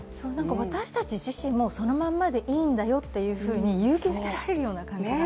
私たち自身もそのまんまでいいんだよと勇気づけられるような感じが。